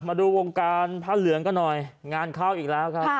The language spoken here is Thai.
มาดูวงการผ้าเหลืองกันหน่อยงานเข้าอีกแล้วครับ